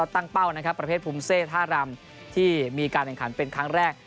เป้านะครับประเภทภูมิเซท่ารำที่มีการแข่งขันเป็นครั้งแรก